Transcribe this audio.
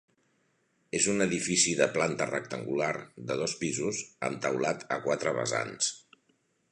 És un edifici de planta rectangular, de dos pisos, amb teulat a quatre vessants.